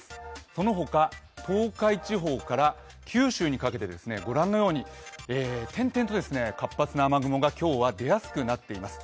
その他、東海地方から九州にかけて御覧のように点々と活発な雨雲が今日は出やすくなっています。